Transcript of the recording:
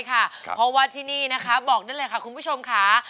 เพราะว่าที่นี่นะคะบอกได้เลยค่ะคุณผู้ชมค่ะ